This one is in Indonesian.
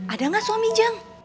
ada gak suami jeng